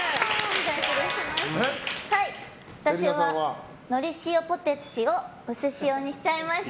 私はのり塩ポテチをうす塩にしちゃいました。